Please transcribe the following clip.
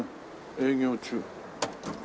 営業中。